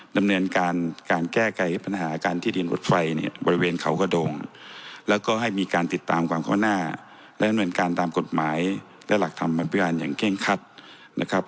ดำเนินการการแก้ไขปัญหาการที่ดินรถไฟเนี่ยบริเวณเขากระดงแล้วก็ให้มีการติดตามความเข้าหน้าและดำเนินการตามกฎหมายและหลักธรรมบรรพิการอย่างเคร่งคัดนะครับ